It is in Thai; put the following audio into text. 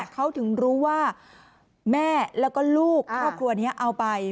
เขาถึงรู้ว่าแม่แล้วก็ลูกครอบครัวนี้เอาไป